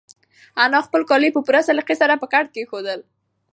انا خپل کالي په پوره سلیقې سره په کټ کېښودل.